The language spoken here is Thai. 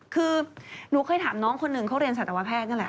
คือหนูเคยถามน้องคนหนึ่งเขาเรียนสัตวแพทย์นั่นแหละ